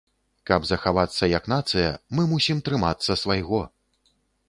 Каб захавацца як нацыя, мы мусім трымацца свайго.